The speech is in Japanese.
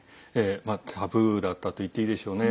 タブーだったと言っていいでしょうね。